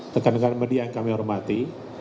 tekan tekan media yang kami hormati